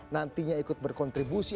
nantinya ikut berkontribusi